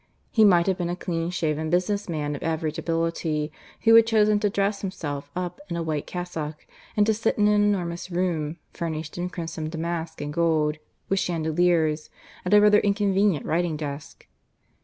He might have been a clean shaven business man of average ability, who had chosen to dress himself up in a white cassock and to sit in an enormous room furnished in crimson damask and gold, with chandeliers, at a rather inconvenient writing desk.